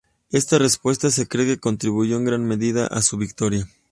Esta respuesta se cree que Contribuyó en gran medida a su victoria.